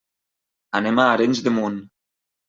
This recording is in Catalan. Anem a Arenys de Munt.